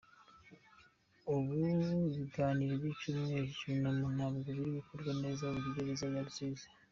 Ubu ibiganiro by’icyumweru cy’icyunamo ntabwo biri gukorwa neza muri gereza ya Rusizi.